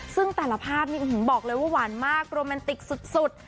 ซึ่งแต่ละภาพนี้บอกเลยว่าหวานมากโรแมนติกสุด